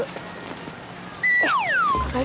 eh gak ada